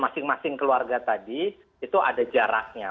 masing masing keluarga tadi itu ada jaraknya